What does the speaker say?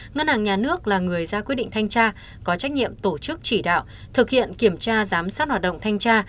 ngân hàng nhà nước là người ra quyết định thanh tra có trách nhiệm tổ chức chỉ đạo thực hiện kiểm tra giám sát hoạt động thanh tra